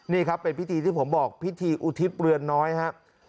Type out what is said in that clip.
นี่ครับเป็นพิธีที่ผมบอกพิธีอุทิศเรือนน้อยครับ